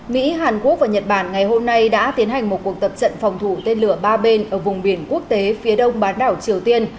mỹ hàn quốc và nhật bản ngày hôm nay đã tiến hành một cuộc tập trận phòng thủ tên lửa ba bên ở vùng biển quốc tế phía đông bán đảo triều tiên